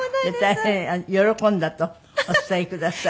大変喜んだとお伝えください。